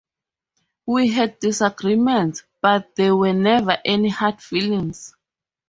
We had disagreements, but there were never any hard feelings.